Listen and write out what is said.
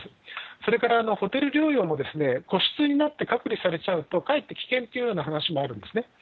それからホテル療養も個室になって隔離されちゃうと、かえって危険というような話もあるんですね。